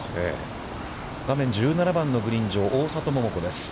画面１７番のグリーン上大里桃子です。